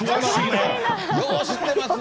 よく知ってますね。